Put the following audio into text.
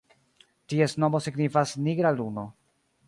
Ties nomo signifas "nigra luno".